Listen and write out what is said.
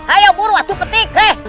ayo buru atuh petik